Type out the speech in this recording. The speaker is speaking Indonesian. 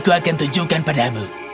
aku akan tunjukkan padamu